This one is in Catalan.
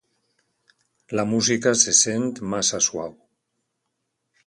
La música se sent massa suau.